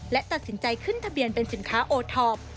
และตัดสินใจขึ้นทะเบียนเป็นสินค้าโอท็อป